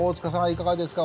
いかがですか？